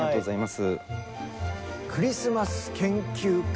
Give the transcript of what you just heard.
クリスマス研究家